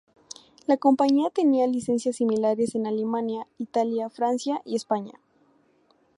La compañía tenía licencias similares en Alemania, Italia, Francia, y España.